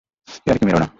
ইয়ার্কি মেরো না!